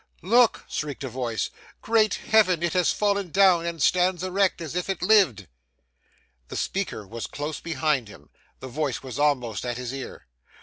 'Look!' shrieked a voice. 'Great Heaven, it has fallen down, and stands erect as if it lived!' The speaker was close behind him; the voice was almost at his ear.